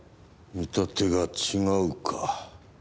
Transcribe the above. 見立てが違うか。